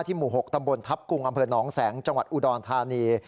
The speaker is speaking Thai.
หมู่๖ตำบลทัพกุงอำเภอหนองแสงจังหวัดอุดรธานี